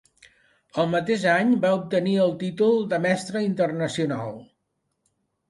El mateix any va obtenir el títol de Mestre Internacional.